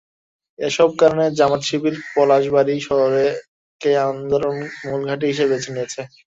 এসব কারণে জামায়াত-শিবির পলাশবাড়ী শহরকে আন্দোলনের মূল ঘাঁটি হিসেবে বেছে নিয়েছে।